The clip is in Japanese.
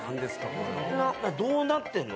これはどうなってんの？